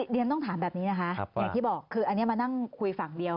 เรียนต้องถามแบบนี้นะคะอย่างที่บอกคืออันนี้มานั่งคุยฝั่งเดียว